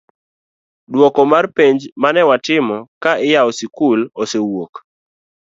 duoko mar penj manewatimo ka iyawo skul osewuok